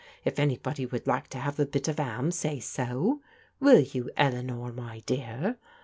If anybody would like to have a bit of 'am, say so. Will you, Eleanor, my dear?